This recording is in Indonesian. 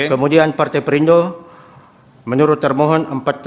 kemudian partai perindo menurut termohon empat ribu tujuh ratus enam puluh satu